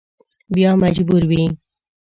بیا مجبور وي.